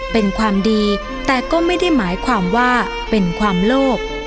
เป็นความดีแต่ก็ไม่ได้หมายความว่าเป็นความโลภ